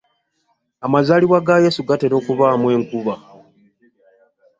Amazaalibwa ga Yesu gatera okubaamu enkuba.